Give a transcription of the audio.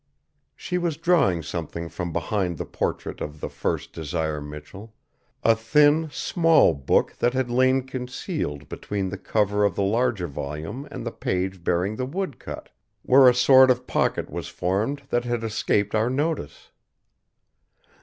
She was drawing something from behind the portrait of the first Desire Michell; a thin, small book that had lain concealed between the cover of the larger volume and the page bearing the woodcut, where a sort of pocket was formed that had escaped our notice.